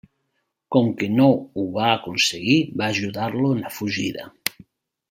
Com que no ho va aconseguir, va ajudar-lo en la fugida.